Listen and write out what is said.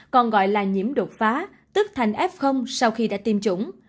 còn gọi là nhiễm đột phá tức thành f sau khi đã tiêm chủng